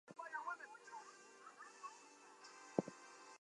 The plaza is home to concerts, festivals, and other community events.